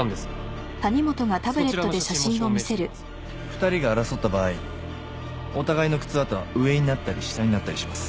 ２人が争った場合お互いの靴跡は上になったり下になったりします。